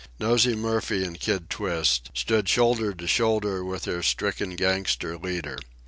Nosey Murphy and Kid Twist stood shoulder to shoulder with their stricken gangster leader.